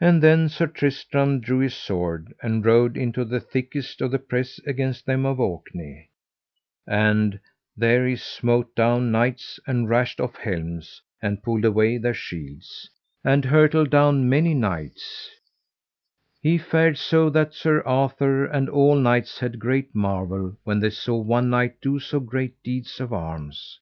And then Sir Tristram drew his sword and rode into the thickest of the press against them of Orkney; and there he smote down knights, and rashed off helms, and pulled away their shields, and hurtled down many knights: he fared so that Sir Arthur and all knights had great marvel when they saw one knight do so great deeds of arms.